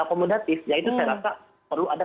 akomodatif yaitu saya rasa perlu ada